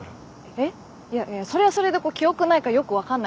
えっいやいやそれはそれでこう記憶ないからよくわかんないじゃん。